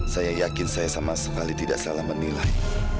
saya yakin saya sama sekali tidak salah menilai